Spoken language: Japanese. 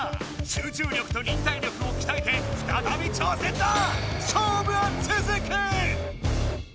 集中力と忍耐力をきたえてふたたび挑戦だ！